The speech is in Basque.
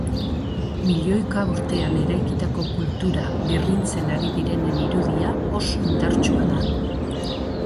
Milioika urtean eraikitako kultura birrintzen ari direnen irudia oso indartsua da.